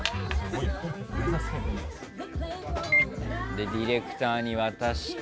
でディレクターに渡して。